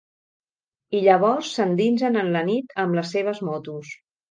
I llavors s'endinsen en la nit amb les seves motos.